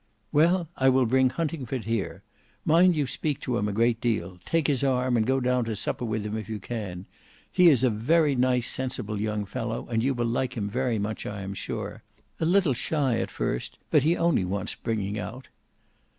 "Well, I will bring Huntingford here. Mind you speak to him a great deal; take his arm, and go down to supper with him if you can. He is a very nice sensible young fellow, and you will like him very much I am sure; a little shy at first, but he only wants bringing out."